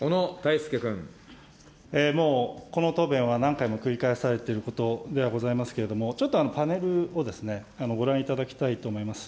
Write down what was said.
もう、この答弁は何回も繰り返されていることではございますけれども、ちょっとパネルをご覧いただきたいと思います。